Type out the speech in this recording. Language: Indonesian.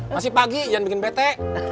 masih pagi jan bikin bete